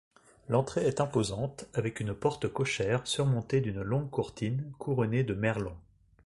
L'entrée est imposante avec une porte cochère surmontée d'une longue courtine couronnée de merlons.